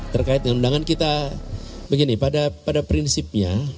terkait dengan undangan kita begini pada prinsipnya